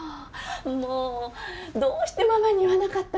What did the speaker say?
もうどうしてママに言わなかったの？